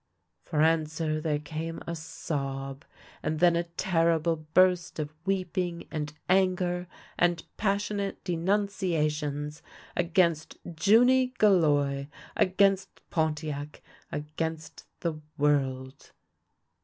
For answer there came a sob, and then a terrible burst of weeping and anger and passionate denuncia tions — against Junie Gauloir, against Pontiac, against the world.